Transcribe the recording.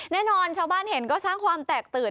แน่นอนชาวบ้านเห็นก็สร้างความแตกตื่น